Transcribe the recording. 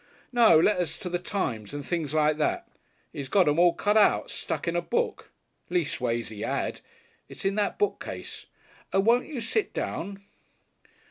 "No. Letters to the Times, and things like that. 'E's got 'em all cut out stuck in a book.... Leastways, he 'ad. It's in that bookcase.... Won't you sit down?"